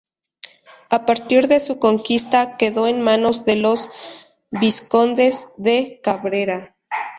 A partir de su conquista, quedó en manos de los vizcondes de Cabrera.